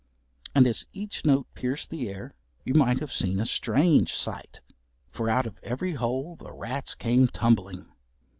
And as each note pierced the air you might have seen a strange sight. For out of every hole the rats came tumbling.